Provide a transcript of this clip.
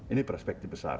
ini perspektif besar